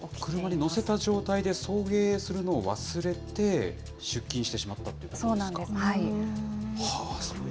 車に乗せた状態で送迎するのを忘れて、出勤してしまったといそうなんです。